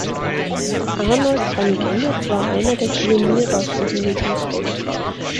Arnold van Gennep war einer der Pioniere auf diesem Gebiet.